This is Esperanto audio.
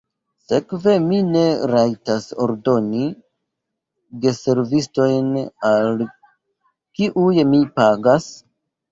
Sekve mi ne rajtas ordoni geservistojn, al kiuj mi pagas?